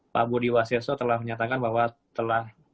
pak budi waseso telah menyatakan bahwa telah